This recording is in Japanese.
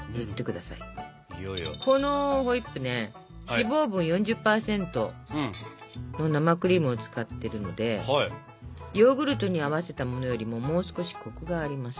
このホイップね脂肪分４０％の生クリームを使ってるのでヨーグルトに合わせたものよりももう少しコクがあります。